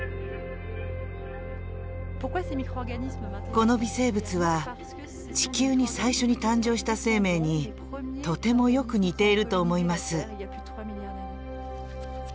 この微生物は地球に最初に誕生した生命にとてもよく似ていると思います。